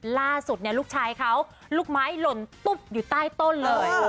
ล่าสุดลูกชายเขาลูกไม้หล่นตุ๊บอยู่ใต้ต้นเลย